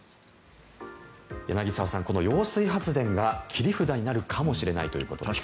柳澤さん、この揚水発電が切り札になるかもしれないということです。